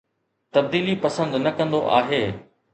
تبديلي پسند نه ڪندو آھي